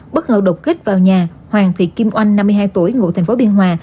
bất ngờ đột kích vào nhà hoàng thị kim oanh năm mươi hai tuổi ngụ tp biên hòa